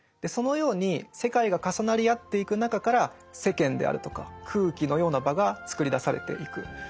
そのように世界が重なりあっていく中から世間であるとか空気のような場が作り出されていく。